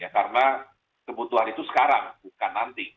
karena kebutuhan itu sekarang bukan nanti